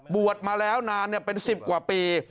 บวชมาแล้วนานเป็น๑๐กว่าปี